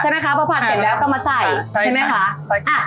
ใช่ไหมคะพอผัดเสร็จแล้วก็มาใส่ใช่ไหมคะใช่ค่ะอ่ะ